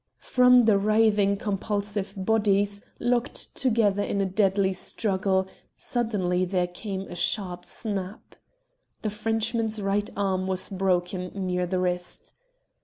From the writhing convulsive bodies, locked together in a deadly struggle, suddenly there came a sharp snap. The Frenchman's right arm was broken near the wrist.